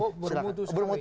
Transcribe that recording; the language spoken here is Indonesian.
oh bermutu sekali